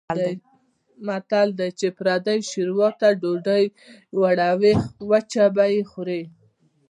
متل دی: چې پردۍ شوروا ته یې ډوډۍ وړوې وچه به یې خورې.